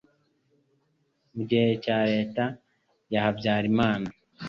mu gihe cya leta ya Habyarimana,